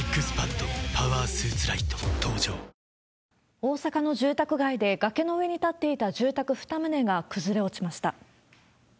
大阪の住宅街で、崖の上に建っていた住宅２棟が崩れ落ちました。